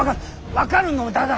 分かるのだが。